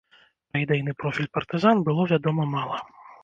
Пра ідэйны профіль партызан было вядома мала.